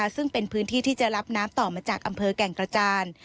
ซึ่งเป็นพื้นที่ที่จะรับน้ำต่อมาจากอำเภอแก่งกระจาน